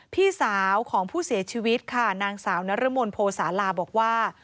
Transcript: พี่สาวของผู้เสียชีวิตค่ะนางสาวนรมนโพศาลาบอกว่า